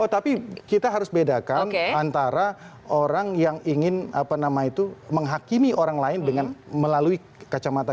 tapi kita harus bedakan antara orang yang ingin menghakimi orang lain dengan melalui kacamata